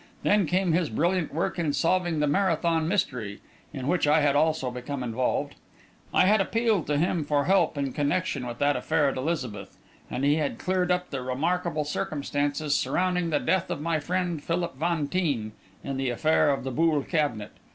Then came his brilliant work in solving the Marathon mystery, in which I had also become involved. I had appealed to him for help in connection with that affair at Elizabeth; and he had cleared up the remarkable circumstances surrounding the death of my friend, Philip Vantine, in the affair of the Boule cabinet.